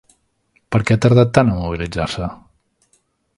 Per què ha tardat tant a mobilitzar-se?